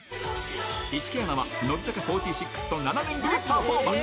市來アナは乃木坂４６と７年ぶりのパフォーマンス。